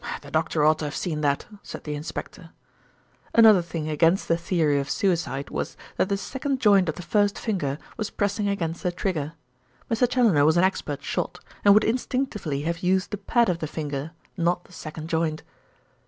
"The doctor ought to have seen that," said the inspector. Another thing against the theory of suicide was that the second joint of the first finger was pressing against the trigger. Mr. Challoner was an expert shot, and would instinctively have used the pad of the finger, not the second joint.